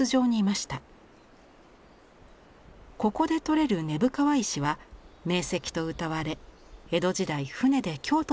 ここで採れる根府川石は名石とうたわれ江戸時代船で京都にも運ばれました。